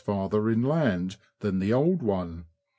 farther inland than the old one.